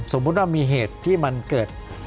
สมมุติว่ามีเหตุที่มันเกิด